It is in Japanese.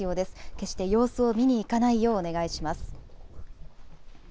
決して様子を見に行かないようお願いします。